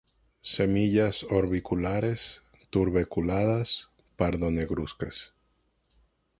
Semillas orbiculares, tuberculadas, pardo-negruzcas.